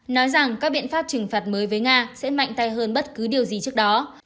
nói rằng các biện pháp trừng phạt mới với nga sẽ mạnh tay hơn bất cứ điều gì trước đó